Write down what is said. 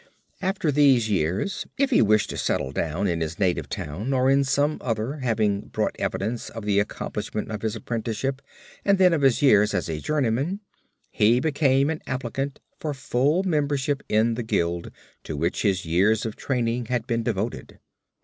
After these years if he wished to settle down in his native town or in some other, having brought evidence of the accomplishment of his apprenticeship and then of his years as a journeyman, he became an applicant for full membership in the guild to which his years of training had been devoted.